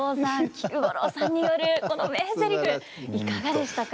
菊五郎さんによるこの名ゼリフいかがでしたか？